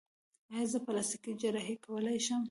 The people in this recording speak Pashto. ایا زه پلاستیکي جراحي کولی شم؟